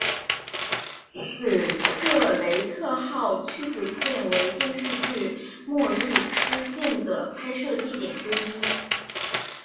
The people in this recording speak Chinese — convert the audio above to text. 史特雷特号驱逐舰为电视剧末日孤舰的拍摄地点之一